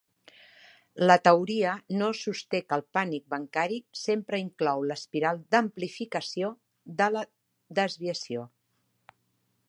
La teoria no sosté que el pànic bancari sempre inclou l'espiral d'amplificació de la desviació.